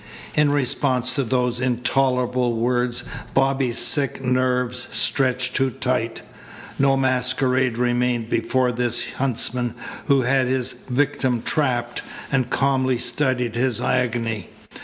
In response to those intolerable words Bobby's sick nerves stretched too tight. No masquerade remained before this huntsman who had his victim trapped, and calmly studied his agony.